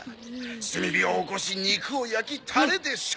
炭火をおこし肉を焼きタレで食す。